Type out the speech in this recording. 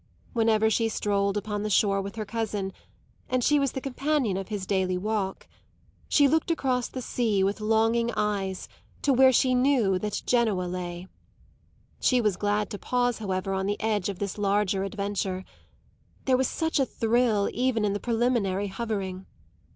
Whenever she strolled upon the shore with her cousin and she was the companion of his daily walk she looked across the sea, with longing eyes, to where she knew that Genoa lay. She was glad to pause, however, on the edge of this larger adventure; there was such a thrill even in the preliminary hovering.